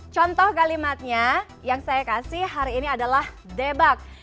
contoh kalimatnya yang saya kasih hari ini adalah debak